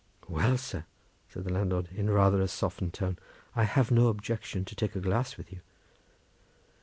"Well, sir!" said the landlord in rather a softened tone, "I have no objection to take a glass with you."